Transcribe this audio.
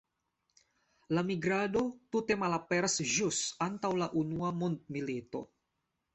La migrado tute malaperas ĵus antaŭ la Unua mondmilito.